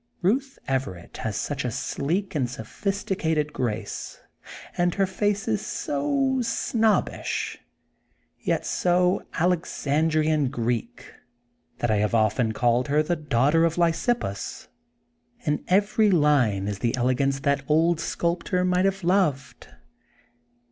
Buth Everett has such a sleek and sophisticated grace, and her face is so snobbish yet so Alexandrian Greek 18 THE GOLDEN BOOK OF SPRINGFIELD that I have often called h^ ''He Itatnghter of Lysippns/' In every line is the elegance that old scolptor might have loved.